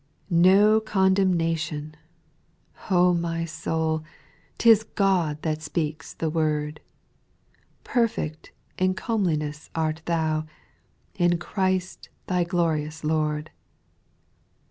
\rO condemnation I O my soul, JLi ' Tis God that speaks the word ; Perfect in comeliness art thou. In Christ thy glorious Lord.